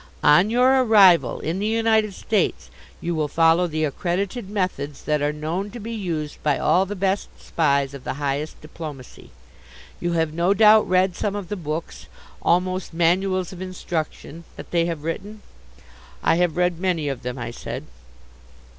"On your arrival in the United States you will follow the accredited methods that are known to be used by all the best Spies of the highest diplomacy. You have no doubt read some of the books, almost manuals of instruction, that they have written?" "I have read many of them," I said.